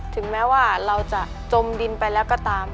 ถึงแม้ว่าเราจะจมดินไปแล้วก็ตาม